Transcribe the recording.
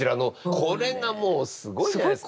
これがもうすごいじゃないですか。